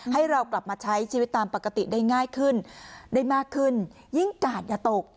ให้เรากลับมาใช้ชีวิตตามปกติได้ง่ายขึ้นได้มากขึ้นยิ่งกาดอย่าตก